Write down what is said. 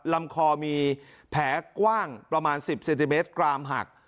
ลำคอมีแผลกว้างประมาณ๑๐เซนติเมตรกรามหัก